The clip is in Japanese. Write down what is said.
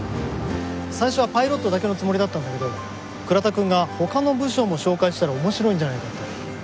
最初はパイロットだけのつもりだったんだけど倉田くんが他の部署も紹介したら面白いんじゃないかって。